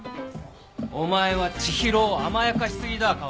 お前は知博を甘やかし過ぎだ薫。